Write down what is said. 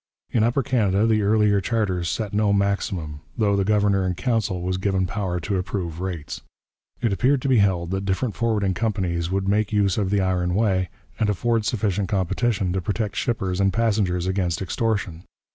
In Upper Canada the earlier charters set no maximum, though the governor in council was given power to approve rates. It appeared to be held that different forwarding companies would make use of the iron way, and afford sufficient competition to protect shippers and passengers against extortion.